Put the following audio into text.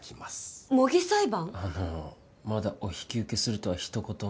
あのうまだお引き受けするとは一言も。